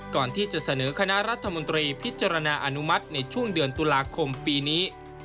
ก่อนที่จะเสนอคณะรัฐมนตรีพิจารณาอนุมัติในช่วงเดือนตุลาคมปีนี้